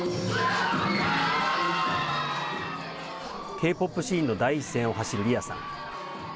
Ｋ−ＰＯＰシーンの第一線を走るリアさん。